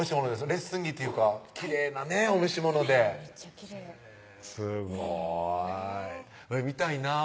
レッスン着っていうかきれいなねお召し物でめっちゃきれいすごい見たいなぁ